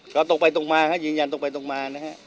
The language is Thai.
ก็ตรงไปตรงมาฮะยืนยันตรงไปตรงมานะฮะ